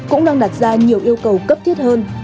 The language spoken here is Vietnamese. cũng đang đặt ra nhiều yêu cầu cấp thiết hơn